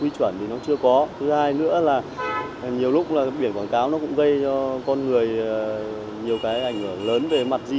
xin chào và hẹn gặp lại